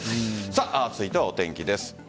続いてはお天気です。